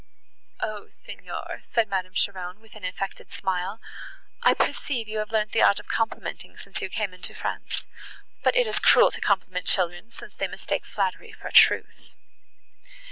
"O Signor!" said Madame Cheron, with an affected smile, "I perceive you have learnt the art of complimenting, since you came into France. But it is cruel to compliment children, since they mistake flattery for truth."